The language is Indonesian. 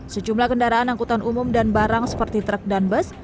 sejumlah kendaraan angkutan umum dan barang seperti truk dan bus